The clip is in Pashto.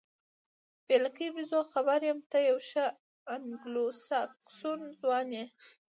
بې لکۍ بیزو، خبر یم، ته یو ښه انګلوساکسون ځوان یې.